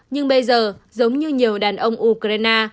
nhưng bây giờ giống như nhiều đàn ông ukraine